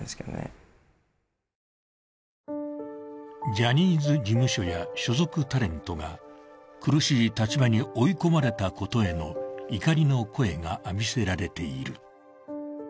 ジャニーズ事務所や所属タレントが苦しい立場に追い込まれたことへの怒りの声が浴びせられている。